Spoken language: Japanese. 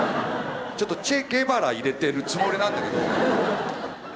ちょっとチェ・ゲバラ入れてるつもりなんだけど。